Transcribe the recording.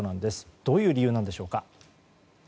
どういう理由なんでしょうか。